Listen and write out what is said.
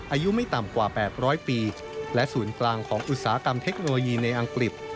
อายุไม่ต่ำกว่า๘๐๐ปีและศูนย์กลางของอุตสาหกรรมเทคโนโลยีในอังกฤษ